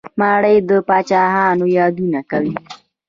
ماڼۍ د پاچاهانو یادونه کوي.